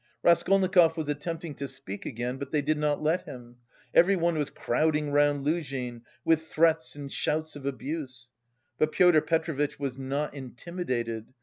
Raskolnikov was attempting to speak again, but they did not let him. Everyone was crowding round Luzhin with threats and shouts of abuse. But Pyotr Petrovitch was not intimidated.